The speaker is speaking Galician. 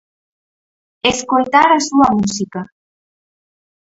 Escoitar a súa música.